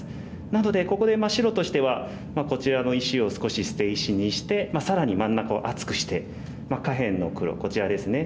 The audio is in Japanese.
なのでここで白としてはこちらの石を少し捨て石にして更に真ん中を厚くして下辺の黒こちらですね。